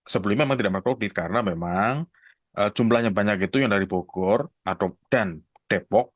sebelum ini memang tidak mengakui karena memang jumlahnya banyak gitu yang dari bogor dan depok